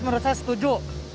menurut saya setuju